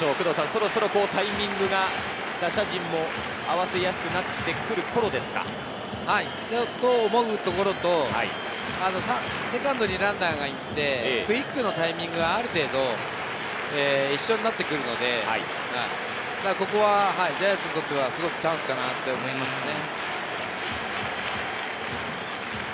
そろそろタイミングが打者陣も合わせやすくなってくるころですか？と思うところと、セカンドにランナーがいてクイックのタイミングがある程度一緒になってくるので、ここはジャイアンツにとってはすごくチャンスかなと思いますね。